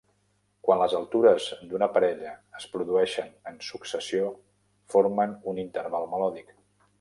Quan les altures d'una parella es produeixen en successió, formen un Interval melòdic.